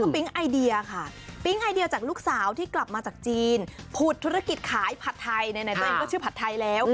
ปิ๊งไอเดียค่ะปิ๊งไอเดียจากลูกสาวที่กลับมาจากจีนผุดธุรกิจขายผัดไทยไหนตัวเองก็ชื่อผัดไทยแล้ว